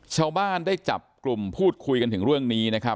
ชาวบ้านได้จับกลุ่มพูดคุยกันถึงเรื่องนี้นะครับ